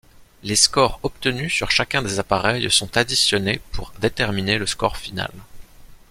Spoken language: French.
Les scores obtenus sur chacun des appareils sont additionnés pour déterminer le score final.